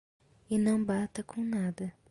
E não bata com nada.